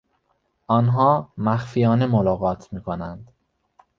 آنها مخفیانه ملاقات میکنند.